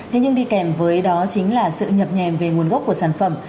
thế nhưng đi kèm với đó chính là sự nhập nhèm về nguồn gốc của sản phẩm